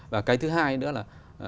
và cái thứ hai nữa là